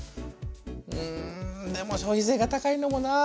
うんでも消費税が高いのもなあ。